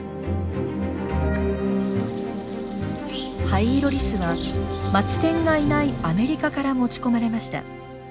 ハイイロリスはマツテンがいないアメリカから持ち込まれました。